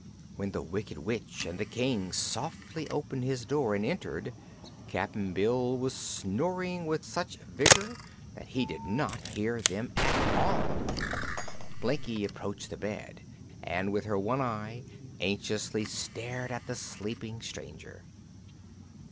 When the Wicked Witch and the King softly opened his door and entered, Cap'n Bill was snoring with such vigor that he did not hear them at all. Blinkie approached the bed and with her one eye anxiously stared at the sleeping stranger.